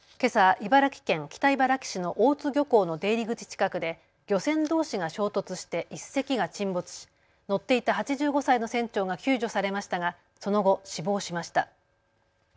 茨城県北茨城市の大津漁港の出入り口近くで漁船どうしが衝突して１隻が沈没し乗っていた８５歳の船長が救助されましたがその後、死亡しました。